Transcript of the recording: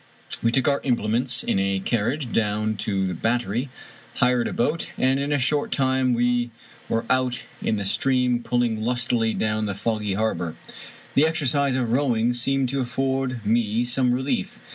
We took our implements in a carriage down to the Battery, hired a boat, and in a short time were out in the stream pulling lustily down the foggy harbor. The exercise of rowing seemed to afford me some relief.